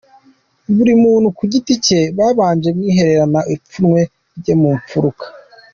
Buri muntu ku giti cye, yabanje kwihererana ipfunwe rye mu mpfuruka.